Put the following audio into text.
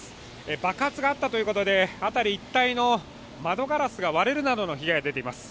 爆発があったということで、辺り一帯の窓ガラスが割れるなどの被害が出ています。